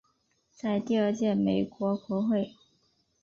在第二届美国国会。